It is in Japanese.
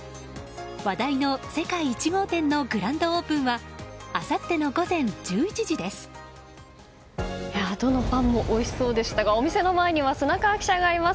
話題の世界１号店のグランドオープンはどのパンもおいしそうでしたがお店の前には砂川記者がいます。